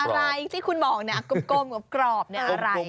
อะไรที่คุณบอกนะกลมกรอบอะไร